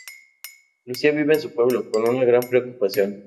Lucía vive en su pueblo con una gran preocupación.